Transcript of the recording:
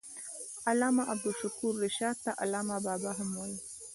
علامه عبدالشکور رشاد ته علامه بابا هم وايي.